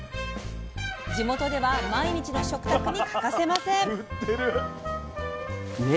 地元では毎日の食卓に欠かせません。